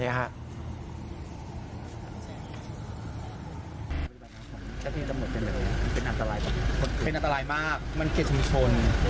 เป็นอันตรายมากมันเขียนชุมชน